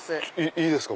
いいですか？